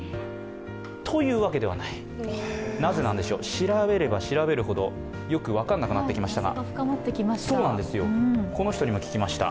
調べれば調べるほど、よく分からなくなってきましたが。